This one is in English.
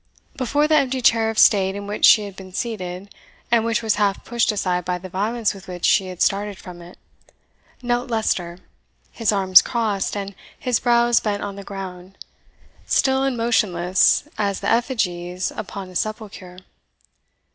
Before the empty chair of state in which she had been seated, and which was half pushed aside by the violence with which she had started from it, knelt Leicester, his arms crossed, and his brows bent on the ground, still and motionless as the effigies upon a sepulchre.